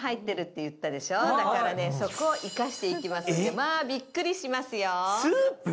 まあ、びっくりしますよ。